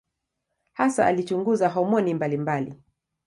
Hasa alichunguza homoni mbalimbali.